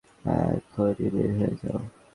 এখনি বের হয়ে যাও!